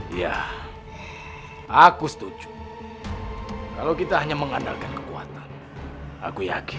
iya aku setuju kalau kita hanya mengandalkan kekuatan aku yakin